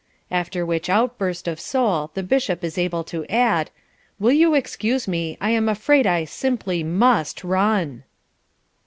After which outburst of soul the Bishop is able to add, "Will you excuse me, I'm afraid I simply MUST run."